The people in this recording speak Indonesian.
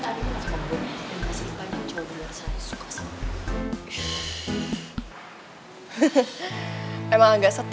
dan masih banyak cowok yang rasanya suka sama lo